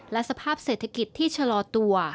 และสภาพเศรษฐกิจที่ชะลอตัว